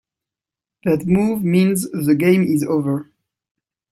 That move means the game is over.